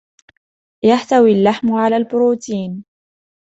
يحتوي اللحم على البروتين.